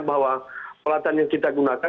bahwa peralatan yang kita gunakan